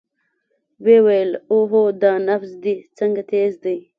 ويې ويل اوهو دا نبض دې څنګه تېز دى.